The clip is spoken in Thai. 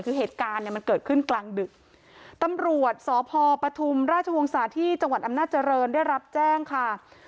คือเหตุการณ์เนี่ยมันเกิดขึ้นกลางดึกตำรวจสพปฐุมราชวงศาที่จังหวัดอำนาจริงได้รับแจ้งค่ะ